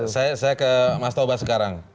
saya ke mas toba sekarang